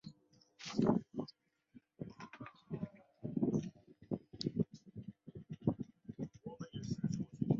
故园人岂知？